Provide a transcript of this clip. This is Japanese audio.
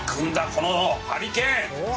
このハリケーン。